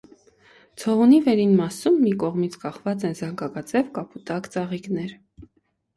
Ցողունի վերին մասում, մի կողմից կախված են զանգակաձև կապուտակ ծաղիկներ։